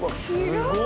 すごい。